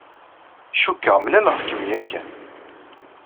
Cukkeɣ mlaleɣ-kem yakan.